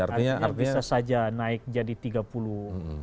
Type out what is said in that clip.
artinya bisa saja naik jadi tiga puluh persen